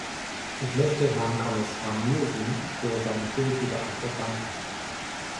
Ich möchte Herrn Kommissar Nielson für seine positive Antwort danken.